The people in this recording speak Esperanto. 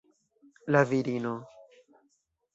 La virino.